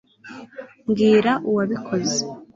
mbwira uwabikoze